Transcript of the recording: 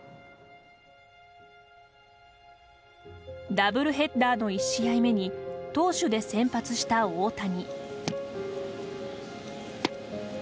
ダブルヘッダーの１試合目に投手で先発した大谷。